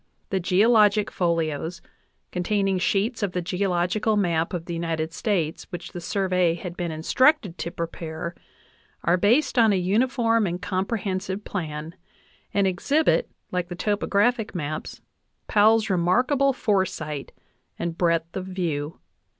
The geologic folios, containing sheets of the geological map of the United States which the Survey had been instructed to prepare, are based on a uniform and comprehensive plan, and exhibit, like the topo graphic maps, Powell's remarkable foresight and breadth of view.